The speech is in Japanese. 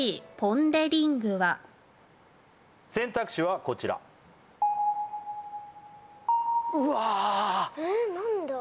選択肢はこちらうわえっ何だ？